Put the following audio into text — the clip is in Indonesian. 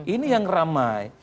ini yang ramai